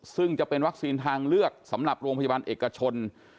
ซึ่งจะเป็นวัคซีนทางเลือกสำหรับโรงพยาบาลเอกชน